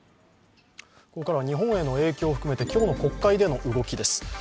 ここからは日本への影響を含めて、今日の国会での動きです。